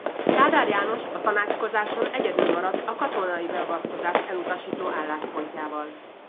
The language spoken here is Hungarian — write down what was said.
Kádár János a tanácskozáson egyedül maradt a katonai beavatkozást elutasító álláspontjával.